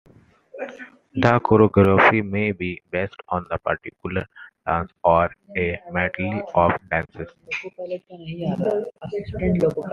The choreography may be based on a particular dance or a medley of dances.